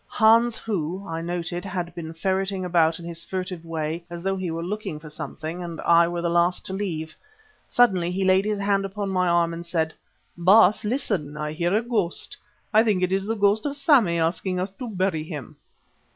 Hans, who, I noted, had been ferreting about in his furtive way as though he were looking for something, and I were the last to leave. Suddenly he laid his hand upon my arm and said: "Baas, listen! I hear a ghost. I think it is the ghost of Sammy asking us to bury him."